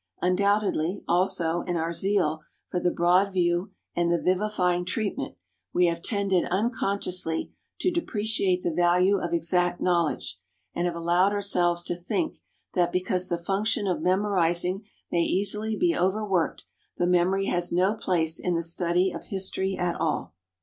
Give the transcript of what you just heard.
Undoubtedly, also, in our zeal for the broad view and the vivifying treatment, we have tended unconsciously to depreciate the value of exact knowledge, and have allowed ourselves to think that because the function of memorizing may easily be overworked, the memory has no place in the study of history at all.